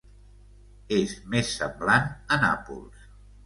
És més semblant a Nàpols.